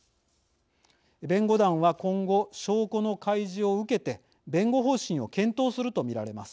弁護団は今後証拠の開示を受けて弁護方針を検討すると見られます。